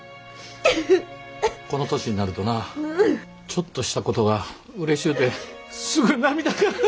この年になるとなちょっとしたことがうれしゅうてすぐ涙が。